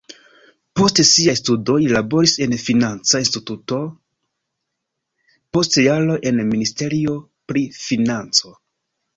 Post siaj studoj li laboris en financa instituto, post jaroj en ministerio pri financo.